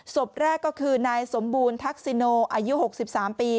ศพแรกก็คือนายสมบูรณ์ทักษิโนอายุ๖๓ปี